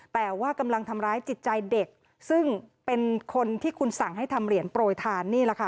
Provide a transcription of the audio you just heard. แต่ว่ากำลังทำร้ายจิตใจเด็กซึ่งเป็นคนที่คุณสั่งให้ทำเหรียญโปรยทานนี่แหละค่ะ